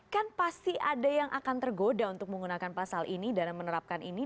kan pasti ada yang akan tergoda untuk menggunakan pasal ini dan menerapkan ini